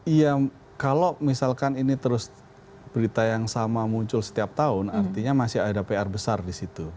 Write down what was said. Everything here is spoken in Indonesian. iya kalau misalkan ini terus berita yang sama muncul setiap tahun artinya masih ada pr besar di situ